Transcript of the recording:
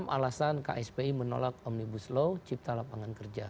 enam alasan kspi menolak omnibus law cipta lapangan kerja